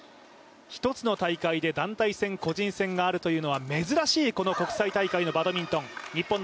一つの大会で、団体戦個人戦があるというのは珍しいこの国際大会のバドミントン。